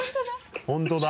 本当だ。